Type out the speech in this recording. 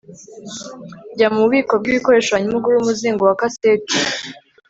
jya mububiko bwibikoresho hanyuma ugure umuzingo wa kaseti